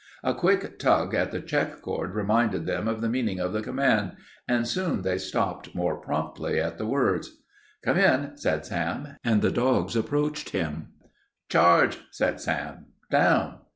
A quick tug at the check cord reminded them of the meaning of the command, and soon they stopped more promptly at the words. "Come in," said Sam, and the dogs approached him. "Charge!" said Sam. "Down!"